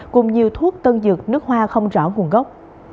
cùng nhiều thuốc tân dược nước hoa không rõ nguồn gốc